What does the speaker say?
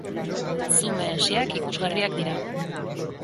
Zume hesiak ikusgarriak dira.